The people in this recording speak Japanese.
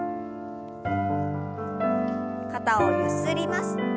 肩をゆすります。